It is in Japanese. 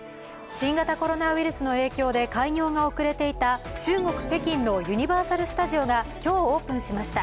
新型コロナウイルスの影響で開業が遅れていた中国・北京のユニバーサル・スタジオが今日オープンしました。